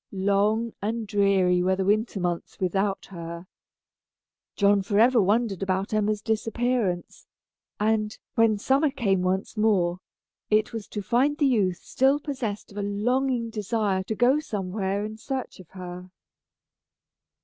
Long and dreary were the winter months without her. John forever wondered about Emma's disappearance; and, when summer came once more, it was to find the youth still possessed of a longing desire to go somewhere in search of her.